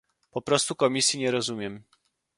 Po prostu Komisji nie rozumiem